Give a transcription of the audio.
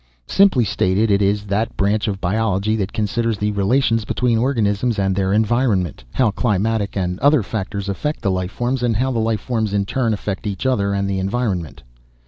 "Simply stated, it is that branch of biology that considers the relations between organisms and their environment. How climatic and other factors affect the life forms, and how the life forms in turn affect each other and the environment."